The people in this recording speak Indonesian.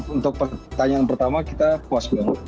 untuk pertanyaan pertama kita puas banget